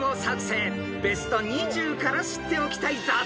［ベスト２０から知っておきたい雑学を出題］